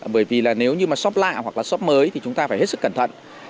bởi vì nếu như shop lạ hoặc là shop mới thì chúng ta phải hết sức cẩn thận